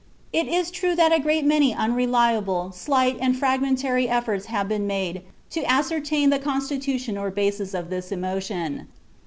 It is true that a great many unreliable, slight, or fragmentary efforts have been made to ascertain the constitution or basis of this emotion.